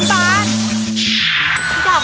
ช่วงประเด็นประจันบัน